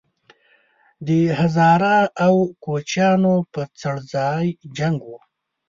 د هزاره او کوچیانو په څړځای جنګ وو